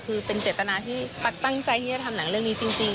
คือเป็นเจตนาที่ตั๊กตั้งใจที่จะทำหนังเรื่องนี้จริง